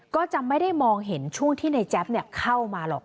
ก็จะไม่ได้มองเห็นช่วงที่ในแจ๊บเข้ามาหรอก